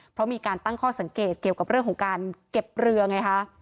เพราะมีการตั้งข้อสังเกตเกี่ยวกับเรื่องของการเก็บเรือไงคะ